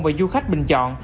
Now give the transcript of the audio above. và du khách bình chọn